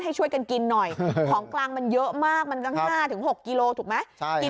ให้ช่วยกันกินหน่อยของกลางมันเยอะมากมันตั้ง๕๖กิโลถูกไหม